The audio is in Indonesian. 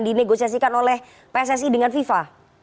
dinegosiasikan oleh pssi dengan fifa